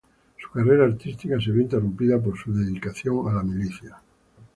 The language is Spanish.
Su carrera artística se vio interrumpida por su dedicación a la milicia.